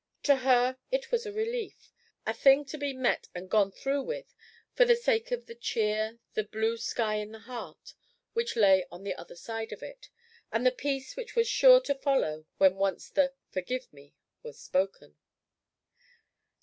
To her it was a relief a thing to be met and gone through with for the sake of the cheer, the blue sky in the heart, which lay on the other side of it, and the peace which was sure to follow, when once the "forgive me" was spoken.